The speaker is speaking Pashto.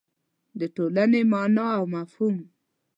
د ټولنې مانا او مفهوم